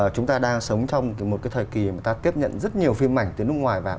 chúng ta đang sống trong một cái thời kỳ mà ta tiếp nhận rất nhiều phim ảnh từ nước ngoài vào